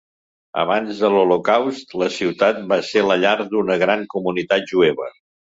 Abans de l'Holocaust, la ciutat va ser la llar d'una gran comunitat jueva.